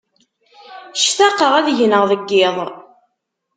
Ctaqeɣ ad gneɣ deg yiḍ.